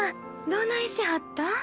どないしはったん？